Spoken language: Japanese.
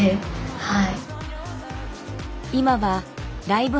はい。